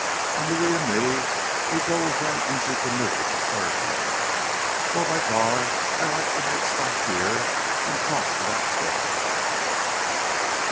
And Louis and me, we go with heem in ze canoe to serve heem. Though by gar, I like to make stop here, an' talk to dat squaw girl."